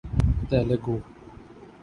Telugu